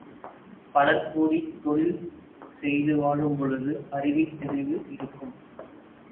பலர் கூடித் தொழில் செய்துவாழும் பொழுது அறிவின் தெளிவு இருக்கும்.